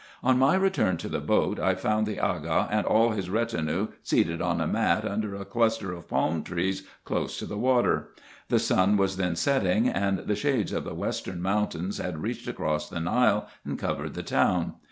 On my return to the boat, I found the Aga and all his retinue seated on a mat under a cluster of palm trees close to the water. The sun was then setting, and the shades of the western mountains had reached across the Nile, and covered the town.